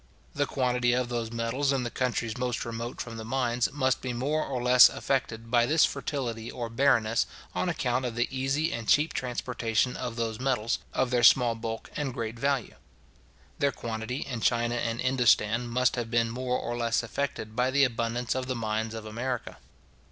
The quantity of those metals in the countries most remote from the mines, must be more or less affected by this fertility or barrenness, on account of the easy and cheap transportation of those metals, of their small bulk and great value. Their quantity in China and Indostan must have been more or less affected by the abundance of the mines of America.